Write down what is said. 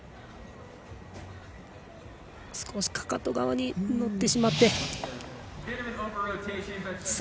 少しかかと側に乗ってしまって。